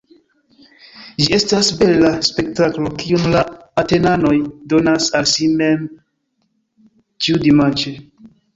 Ĝi estas bela spektaklo, kiun la Atenanoj donas al si mem ĉiudimanĉe.